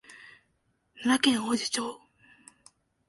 奈良県王寺町